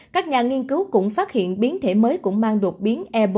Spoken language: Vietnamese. các nhà nghiên cứu cũng phát hiện biến thể mới cũng mang đột biến e bốn